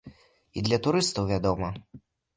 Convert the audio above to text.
І для турыстаў, вядома.